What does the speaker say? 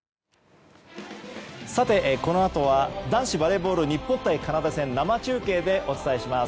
さて、このあとは男子バレーボール日本対カナダ戦を生中継でお伝えします。